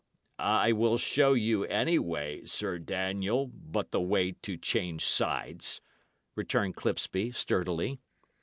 "I will show you any way, Sir Daniel, but the way to change sides," returned Clipsby, sturdily.